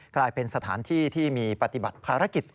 กลายเป็นสถานที่ที่มีปฏิบัติภารกิจ